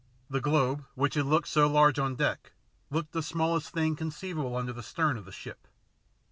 The globe, which had looked so large on deck, looked the smallest thing conceivable under the stern of the ship.